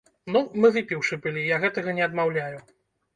Ну, мы выпіўшы былі, я гэтага не адмаўляю.